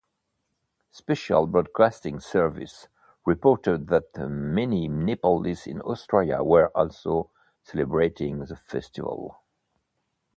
Special Broadcasting Service reported that many Nepalis in Australia were also celebrating the festival.